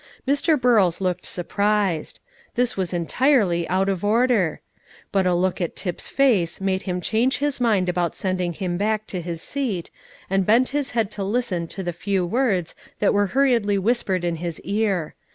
Mr. Burrows looked surprised; this was entirely out of order; but a look at Tip's face made him change his mind about sending him back to his seat, and bend his head to listen to the few words that were hurriedly whispered in his ear.